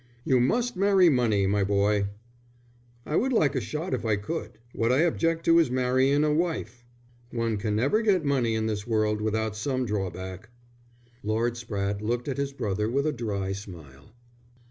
"You must marry money, my boy." "I would like a shot if I could. What I object to is marryin' a wife." "One can never get money in this world without some drawback." Lord Spratte looked at his brother with a dry smile.